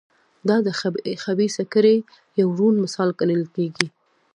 دا د خبیثه کړۍ یو روڼ مثال ګڼل کېږي.